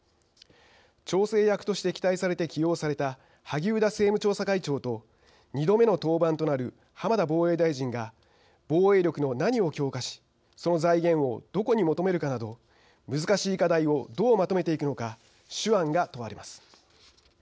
調整役として期待されて起用された萩生田政務調査会長と２度目の登板となる浜田防衛大臣が防衛力の何を強化しその財源をどこに求めるかなど難しい課題をどうまとめていくのか手腕が問われます。